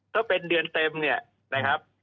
ถ้าเป็นเดือนเต็มนะครับ